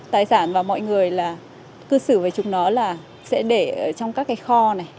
tài sản và mọi người là cư xử với chúng nó là sẽ để trong các cái kho này